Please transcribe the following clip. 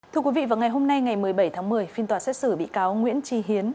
thưa quý vị vào ngày hôm nay ngày một mươi bảy tháng một mươi phiên tòa xét xử bị cáo nguyễn tri hiến